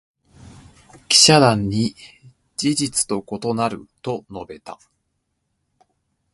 記者団に「事実と異なる」と述べた。